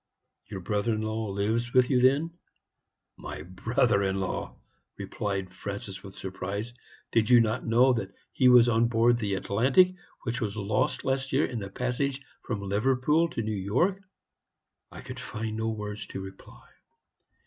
"'Your brother in law lives with you, then?' "'My brother in law!' replied Francis, with surprise; 'did you not know that he was on board the Atlantic, which was lost last year in the passage from Liverpool to New York?' "I could find no words to reply.